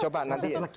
bagian ini mau coba